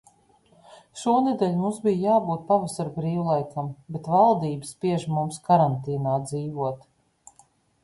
Šonedēļ mums bija jābūt pavasara brīvlaikam, bet valdība spiež mums karantīnā dzīvot.